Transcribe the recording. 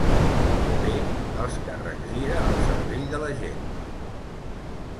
O bé, els càrrecs giren el cervell de la gent.